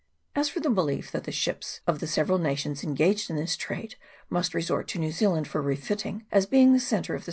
As for the belief that the ships of the several nations engaged in this trade must resort to New Zealand for refitting, as being in the centre of the 8 GENERAL REMARKS. [CHAP. I.